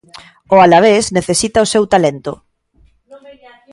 O Alavés necesita o seu talento.